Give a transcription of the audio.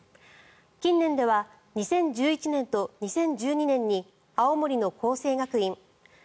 近年では２０１１年と２０１２年に青森の光星学院